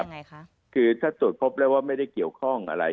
ปรปชก็ไม่เป็นไรนี่ครับคือถ้าตรวจพบแล้วว่าไม่ได้เกี่ยวข้องอะไร